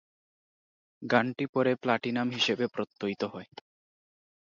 গানটি পরে প্লাটিনাম হিসেবে প্রত্যয়িত হয়।